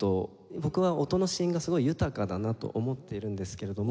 僕は音の子音がすごい豊かだなと思っているんですけれども。